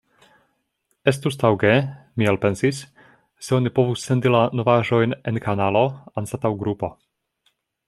Estus taŭge, mi elpensis, se oni povus sendi la novaĵojn en kanalo anstataŭ grupo.